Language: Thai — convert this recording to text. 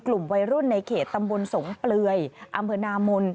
กลุ่มวัยรุ่นในเขตตำบลสงเปลือยอำเภอนามน